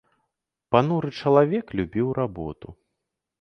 Пануры чалавек любіў работу!